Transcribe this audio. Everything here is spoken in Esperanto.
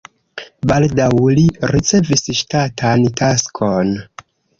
Baldaŭ li ricevis ŝtatan taskon.